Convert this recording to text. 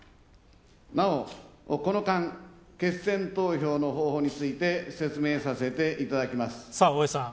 なお、この間、決選投票の方法について説明させていただきます。